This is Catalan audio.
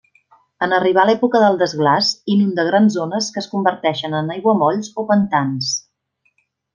En arribar l'època del desglaç, inunda grans zones que es converteixen en aiguamolls o pantans.